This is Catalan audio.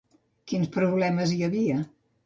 Quins problemes hi havia?